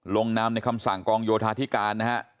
ลงนามในคำสั่งกองโยธาธิการนะฮะ